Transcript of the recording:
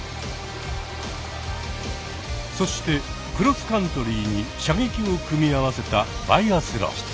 そしてクロスカントリーに射撃を組み合わせたバイアスロン。